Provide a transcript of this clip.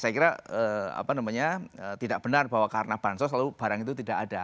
saya kira tidak benar bahwa karena bansos lalu barang itu tidak ada